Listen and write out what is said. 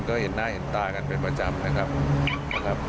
ก็เห็นหน้าเห็นตากันเป็นประจำนะครับ